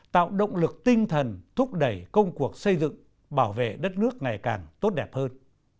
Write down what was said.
tạo động lực tinh thần thúc đẩy công cuộc xây dựng bảo vệ đất nước ngày càng tốt đẹp hơn